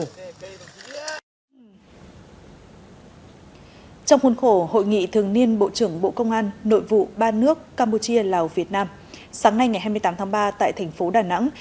trong khuôn khổ hội nghị thường niên bộ trưởng bộ công an nội vụ ba nước campuchia lào việt nam sáng nay ngày hai mươi tám tháng ba tại thành phố đà nẵng